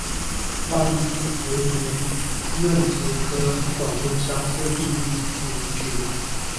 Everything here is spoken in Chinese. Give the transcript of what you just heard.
万历四十年壬子科广东乡试第一名举人。